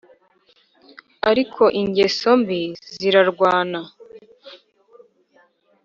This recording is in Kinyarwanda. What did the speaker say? ariko ingeso mbi zirarwana